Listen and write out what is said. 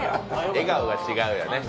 笑顔が違うよね。